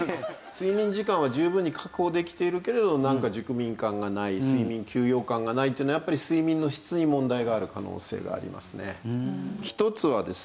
睡眠時間は十分に確保できているけれどなんか熟眠感がない睡眠休養感がないっていうのはやっぱり睡眠の質に問題がある可能性がありますね。